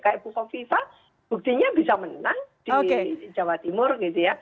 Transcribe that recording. kayak buko viva buktinya bisa menang di jawa timur gitu ya